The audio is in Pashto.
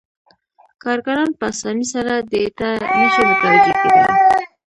کارګران په اسانۍ سره دې ته نشي متوجه کېدای